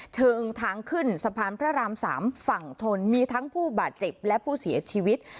เชิงทางขึ้นสะพานพระราม๓ฝั่งทนมีทั้งผู้บาดเจ็บและผู้เสียชีวิต